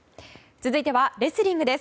続いてはレスリングです。